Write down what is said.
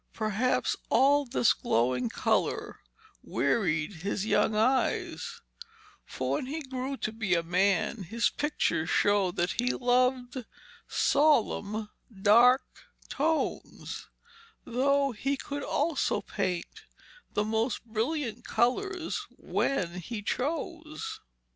Perhaps all this glowing colour wearied his young eyes, for when he grew to be a man his pictures show that he loved solemn and dark tones, though he could also paint the most brilliant colours when he chose.